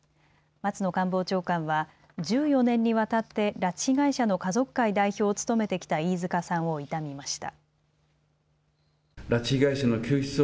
松野官房長官は１４年にわたって拉致被害者の家族会代表を務めてきた飯塚さんを悼みました。